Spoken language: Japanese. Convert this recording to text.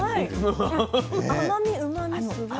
甘みうまみすごい。